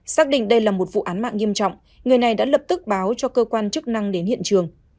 xác định đây là một vụ án mạng nghiêm trọng người này đã lập tức báo cho cơ quan chức năng đến hiện trường